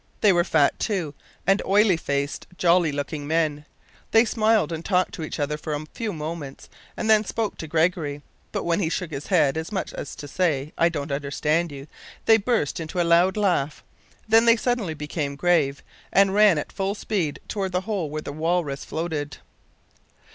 They were fat, too, and oily faced, jolly looking men. They smiled and talked to each other for a few moments and then spoke to Gregory, but when he shook his head, as much as to say, "I don't understand you," they burst into a loud laugh. Then they suddenly became grave, and ran at full speed toward the hole where the walrus floated.